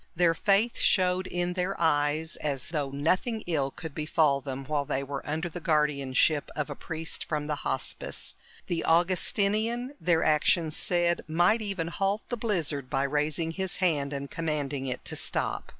Their faith showed in their eyes, as though nothing ill could befall them while they were under the guardianship of a priest from the Hospice. The Augustinian, their actions said, might even halt the blizzard by raising his hand and commanding it to stop.